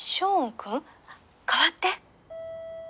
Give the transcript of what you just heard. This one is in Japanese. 代わって」